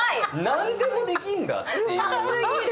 なんでもできるんだっていう。